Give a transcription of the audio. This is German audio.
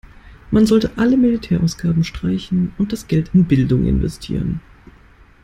Man sollte alle Militärausgaben streichen und das Geld in Bildung investieren.